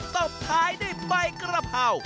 ตบท้ายด้วยใบกระเพรา